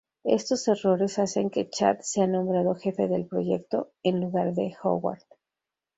Estos errores hacen que Chad sea nombrado jefe del proyecto en lugar de Howard.